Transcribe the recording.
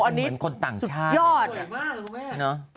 มันเหมือนคนต่างชาติสวยมากนะคุณแม่